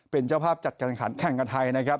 เป็นเจ้าภาพจัดการขันแข่งกับไทยนะครับ